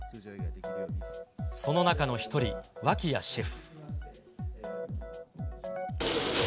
その中の１人、脇屋シェフ。